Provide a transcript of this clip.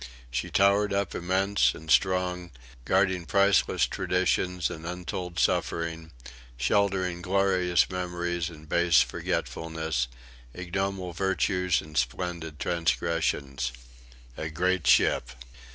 She towered up immense and strong, guarding priceless traditions and untold suffering, sheltering glorious memories and base forgetfulness, ignoble virtues and splendid transgressions. A great ship!